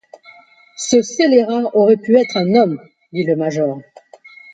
Ce scélérat aurait pu être un homme, dit le major.